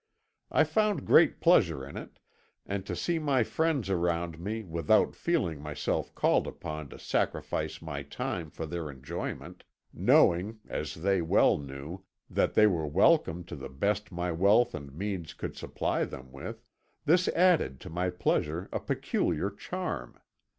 I found great pleasure in it, and to see my friends around me without feeling myself called upon to sacrifice my time for their enjoyment, knowing (as they well knew) that they were welcome to the best my wealth and means could supply them with this added to my pleasure a peculiar charm.